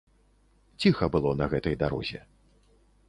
Ціха было на гэтай дарозе.